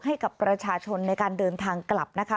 ให้กับประชาชนในการเดินทางกลับนะคะ